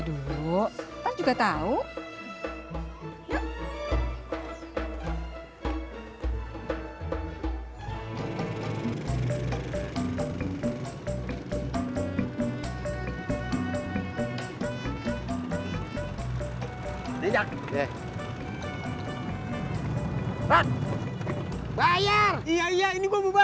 dulu juga tahu yuk